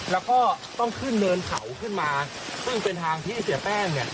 แล้วก็ต้องขึ้นเนินเขาขึ้นมาซึ่งเป็นทางที่เสียแป้งเนี่ย